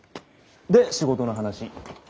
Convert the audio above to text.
で仕事の話。